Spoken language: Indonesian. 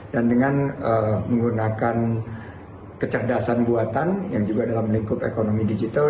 dan dengan menggunakan kecerdasan buatan yang juga dalam lingkup ekonomi digital